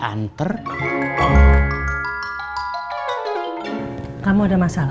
kau tak terkutuk pada fb fb